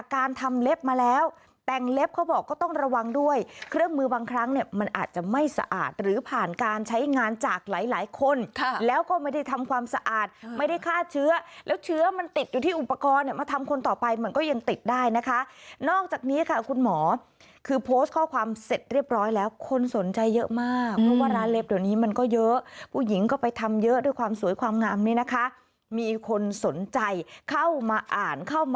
การเล็บเขาบอกก็ต้องระวังด้วยเครื่องมือบางครั้งเนี่ยมันอาจจะไม่สะอาดหรือผ่านการใช้งานจากหลายคนแล้วก็ไม่ได้ทำความสะอาดไม่ได้ฆ่าเชื้อแล้วเชื้อมันติดอยู่ที่อุปกรณ์มาทำคนต่อไปมันก็ยังติดได้นะคะนอกจากนี้ค่ะคุณหมอคือโพสต์ข้อความเสร็จเรียบร้อยแล้วคนสนใจเยอะมากเพราะว่าร้านเล็บเดี๋ยวนี้มั